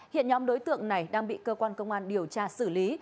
hiện nhóm đối tượng này đang bị cơ quan công an điều tra xử lý